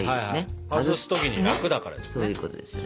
外す時に楽だからですね。